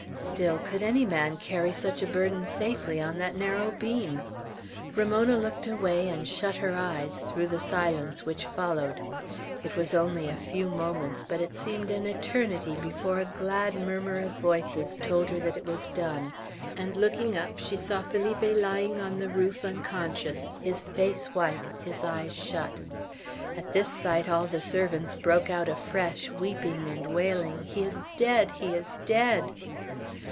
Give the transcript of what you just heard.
Still, could any man carry such a burden safely on that narrow beam! Ramona looked away, and shut her eyes, through the silence which followed. It was only a few moments; but it seemed an eternity before a glad murmur of voices told her that it was done, and looking up, she saw Felipe lying on the roof, unconscious, his face white, his eyes shut. At this sight, all the servants broke out afresh, weeping and wailing, "He is dead! He is dead!"